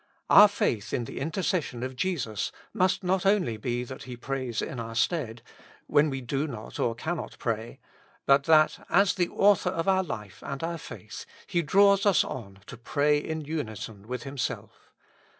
Our faith in the intercession of Jesus must not only be that He prays in our stead, when we do not or cannot pray, but that, as the Author of our life and our faith, He draws us on to pray in unison with Himself.